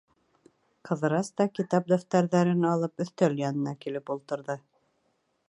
Ҡыҙырас та, китап-дәфтәрҙәрен алып, өҫтәл янына килеп ултырҙы.